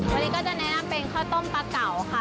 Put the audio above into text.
วันนี้ก็จะแนะนำเป็นข้าวต้มปลาเก่าค่ะ